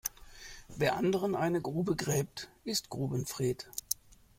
Wer anderen eine Grube gräbt, ist Grubenfred.